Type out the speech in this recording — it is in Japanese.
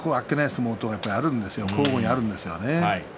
相撲と交互にあるんですよね。